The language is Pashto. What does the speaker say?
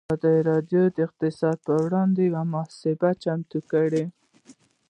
ازادي راډیو د اقتصاد پر وړاندې یوه مباحثه چمتو کړې.